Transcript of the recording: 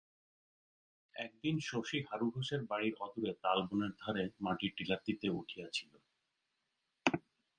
একদিন শশী হারু ঘোষের বাড়ির অদূরে তালবনের ধারে মাটির টিলাটিতে উঠিয়াছিল।